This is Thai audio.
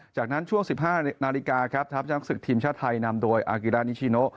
จากนั้นช่วง๑๕นาฬิกาครับทัพช้างศึกทีมชาติไทยนำโดยอากิดานิชิโน